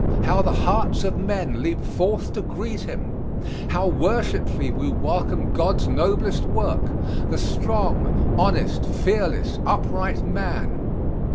how the hearts of men leap forth to greet him! how worshipfully we welcome God's noblest work the strong, honest, fearless, upright man.